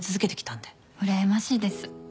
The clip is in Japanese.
うらやましいです。